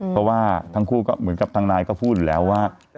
เพราะว่าทั้งคู่ก็เหมือนกับทางนายก็พูดอยู่แล้วว่า